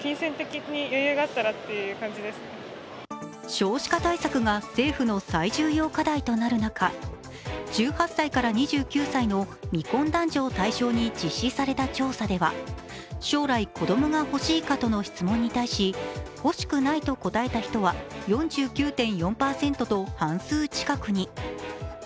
少子化対策が政府の最重要課題となる中、１８歳から２９歳の未婚男女を対象に実施された調査では、将来子供が欲しいかとの質問に対し、欲しくないと答えた人は４９．４％と半数近くに。